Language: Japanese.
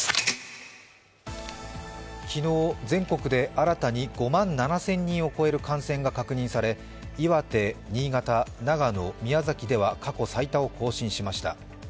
昨日、全国で新たに５万７０００人を超える感染が確認され岩手、新潟、長野、宮崎では過去最多を更新しました。